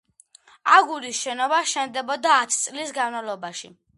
აგურის შენობა შენდებოდა ათი წლის განმავლობაში.